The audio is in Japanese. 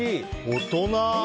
大人！